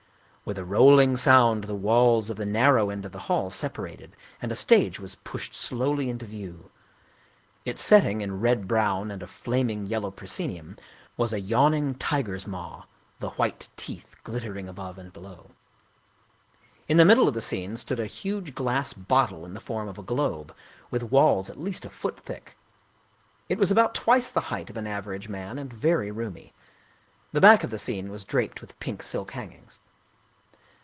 With a rolling sound the walls of the narrow end of the hall separated and a stage was pushed slowly into view. Its setting, in red brown and a flaming yellow proscenium, ii German Mystery Stories was a yawning tiger's maw, the white teeth glittering above and below. In the middle of the scene stood a huge glass bottle in the form of a globe, with walls at least a foot thick. It was about twice the height of an average man and very roomy. The back of the scene was draped with pink silk hangings.